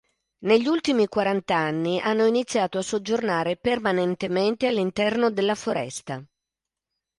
Negli ultimi quaranta anni, hanno iniziato a soggiornare permanentemente all'interno della foresta.